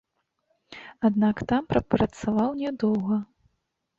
Аднак там прапрацаваў нядоўга.